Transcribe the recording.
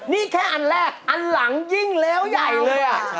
นี่แค่อันแรกอันหลังยิ่งเลวใหญ่เลย